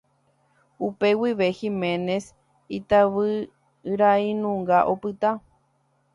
Upe guive Giménez itavyrainunga opyta.